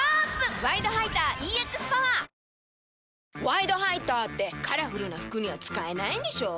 「ワイドハイター」ってカラフルな服には使えないんでしょ？